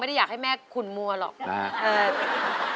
อยากให้แม่ขุนมัวหรอก